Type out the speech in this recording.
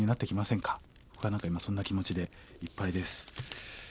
僕は何か今そんな気持ちでいっぱいです。